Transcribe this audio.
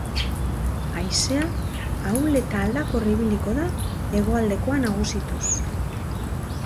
Haizea ahul eta aldakor ibiliko da, hegoaldekoa nagusituz.